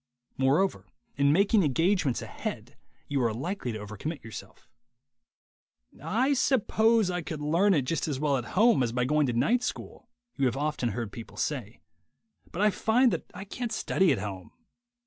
Moreover, in making engagements ahead you are likely to over commit yourself. "I suppose I could learn it just as well at home as by going to night school," you have often heard people say, "but I find that I can't study at home."